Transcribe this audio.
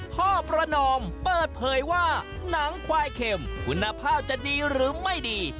พ่อประนอมเปิดเผยว่าหนังควายเข็มคุณภาพจะดีหรือไม่ดี